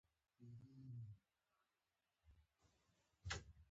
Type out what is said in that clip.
لیکونه او کوریره ډیلا سیرا ورځپاڼه مې واخیستل، یو لیک مې نیکه رالېږلی وو.